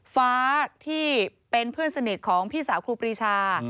ฟ้าที่เป็นเพื่อนสนิทของพี่สาวครูปรีชา